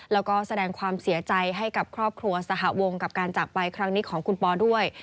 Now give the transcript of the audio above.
แล้วก็แสดงความเสียใจให้กับครอบครัวสหวงกับการจากไปครั้งนี้ของคุณปอด้วย